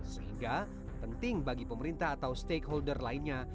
sehingga penting bagi pemerintah atau stakeholder lainnya